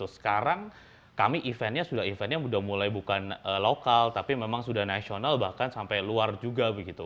sekarang kami eventnya sudah eventnya sudah mulai bukan lokal tapi memang sudah nasional bahkan sampai luar juga begitu